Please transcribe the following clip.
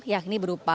yang ini berupa